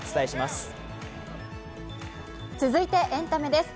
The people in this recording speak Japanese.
続いてエンタメです。